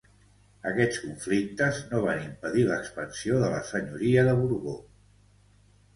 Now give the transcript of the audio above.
Aquests conflictes no van impedir l'expansió de la senyoria de Borbó.